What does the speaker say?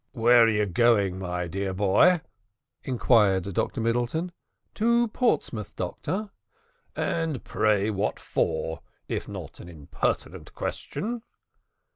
"Where are you going, my dear boy?" inquired Dr Middleton. "To Portsmouth, doctor." "And pray what for, if not an impertinent question?"